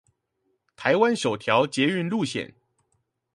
台灣首條捷運路線